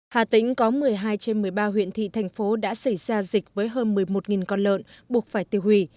hà tĩnh có một mươi hai trên một mươi ba huyện thị thành phố đã xảy ra dịch với hơn một mươi một con lợn buộc phải tiêu hủy